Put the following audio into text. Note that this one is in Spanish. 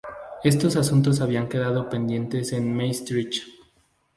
Estos asuntos habían quedado pendientes en Maastricht.